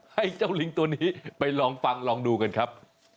ให้เจ้าลิงตัวนี้ไปลองฟังลองดูกันครับ